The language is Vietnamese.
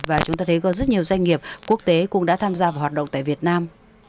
và chúng ta thấy có rất nhiều doanh nghiệp quốc tế cũng đã tham gia vào hoạt động tại việt nam